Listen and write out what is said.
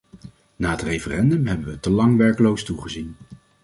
Na het referendum hebben we te lang werkloos toegezien.